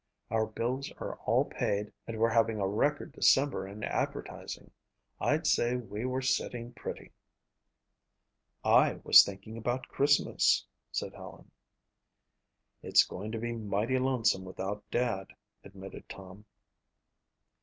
Our bills are all paid and we're having a record December in advertising. I'd say we were sitting pretty." "I was thinking about Christmas," said Helen. "It's going to be mighty lonesome without Dad," admitted Tom.